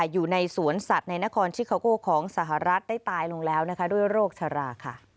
อยู่ในศวรสัตว์ในนครทีคาโกของสหรัฐได้ตายลงแล้วด้วยโรคชารา